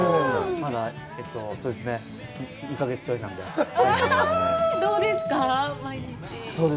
まだそうですね、２か月ちょいなので。